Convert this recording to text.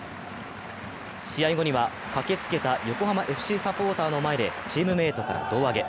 試合後には、駆けつけた横浜ＦＣサポーターの前でチームメイトから胴上げ。